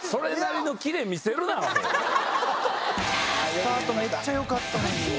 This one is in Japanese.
スタートめっちゃよかったのに。